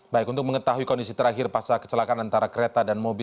baik untuk mengetahui kondisi terakhir pasca kecelakaan antara kereta dan mobil